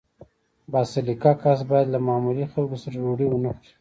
با سلیقه کس باید له معمولي خلکو سره ډوډۍ ونه خوري.